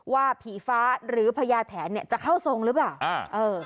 ว่าผีฟ้าหรือพญาแถนเนี่ยจะเข้าทรงหรือเปล่า